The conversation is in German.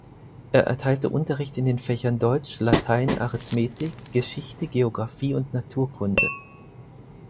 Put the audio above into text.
Er erteilte Unterricht in den Fächern Deutsch, Latein, Arithmetik, Geschichte, Geographie und Naturkunde.